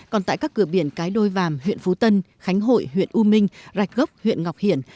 còn tại các cửa biển cái đôi vàm huyện phú tân khánh hội huyện u minh rạch gốc huyện ngọc hiển